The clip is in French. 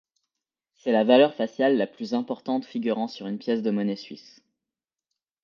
C'est la valeur faciale la plus importante figurant sur une pièce de monnaie suisse.